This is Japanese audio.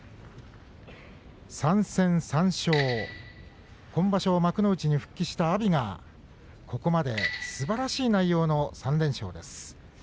３戦３勝、今場所幕内に復帰した阿炎がここまですばらしい内容の３連勝です。